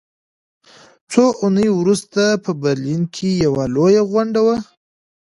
څو اونۍ وروسته په برلین کې یوه لویه غونډه وه